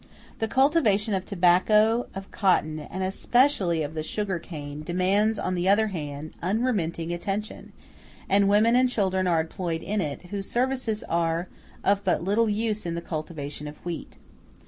The cultivation of tobacco, of cotton, and especially of the sugar cane, demands, on the other hand, unremitting attention: and women and children are employed in it, whose services are of but little use in the cultivation of wheat.